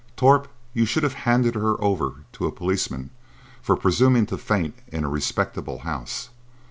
Torp, you should have handed her over to a policeman for presuming to faint in a respectable house.